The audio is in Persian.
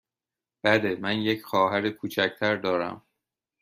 بله، من یک خواهر کوچک تر دارم.